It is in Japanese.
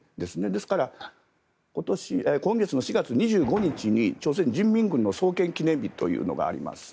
ですから今月４月２５日に朝鮮人民軍の創建記念日というのがあります。